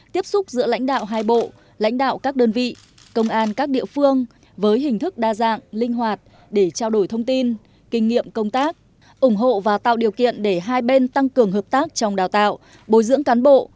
tiếp xúc giữa lãnh đạo hai bộ lãnh đạo các đơn vị công an các địa phương với hình thức đa dạng linh hoạt để trao đổi thông tin kinh nghiệm công tác ủng hộ và tạo điều kiện để hai bên tăng cường hợp tác trong đào tạo bồi dưỡng cán bộ